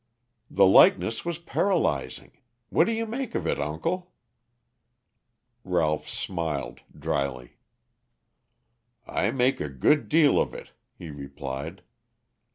"The likeness was paralyzing. What do you make of it, uncle?" Ralph smiled dryly. "I make a good deal of it," he replied.